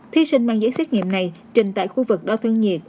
thí sinh mang giấy xét nghiệm này trình tại khu vực đo thân nhiệt